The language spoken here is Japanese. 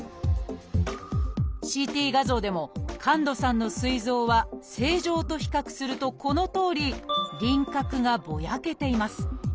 ＣＴ画像でも神門さんのすい臓は正常と比較するとこのとおり輪郭がぼやけています。